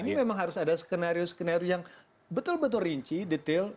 ini memang harus ada skenario skenario yang betul betul rinci detail